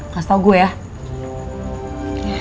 kasih tau gue ya